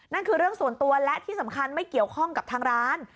นั่นคือเรื่องส่วนตัวและที่สำคัญไม่เกี่ยวข้องกับทางร้าน